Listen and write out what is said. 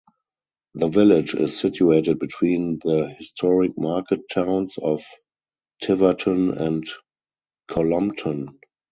The village is situated between the historic market towns of Tiverton and Cullompton.